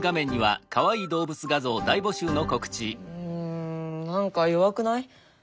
うん何か弱くない？